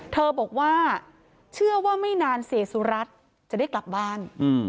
เธอบอกว่าเชื่อว่าไม่นานเสียสุรัตน์จะได้กลับบ้าน